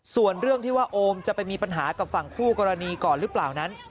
ส่วนเรื่องที่ว่าโอมจะไปมีปัญหากับฝั่งคู่กรณีก่อนหรือเปล่านั้น